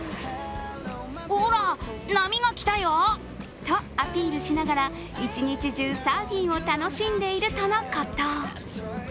ほら、波が来たよとアピールしながら、１日中サーフィンを楽しんでいるとのこと。